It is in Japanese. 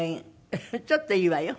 ちょっといいわよ。